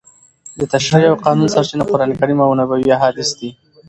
د تشریع او قانون سرچینه قرانکریم او نبوي احادیث دي.